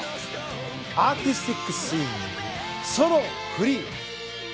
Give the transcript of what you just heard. アーティスティックスイミングソロフリー。